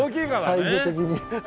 サイズ的にはい。